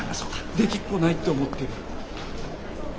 できっこないって思ってる。